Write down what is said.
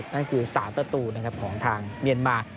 นั่นคือ๓ประตูนะครับของทางเมียนมา